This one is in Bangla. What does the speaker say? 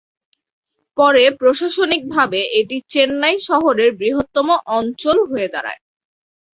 পরে প্রশাসনিকভাবে এটি চেন্নাই শহরের বৃহত্তম অঞ্চল হয়ে দাঁড়ায়।